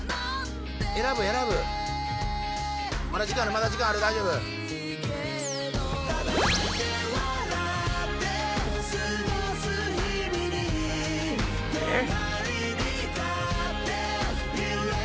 選ぶ選ぶまだ時間ある大丈夫えっ！？